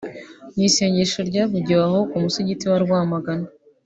Mu isengesho ryavugiwe aho ku musigiti wa Rwamagana